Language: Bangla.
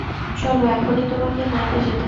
চলো, এখনই তোমাকে নাইতে যেতে হবে।